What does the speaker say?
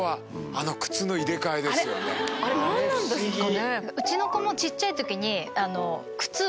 あれ何なんですかね？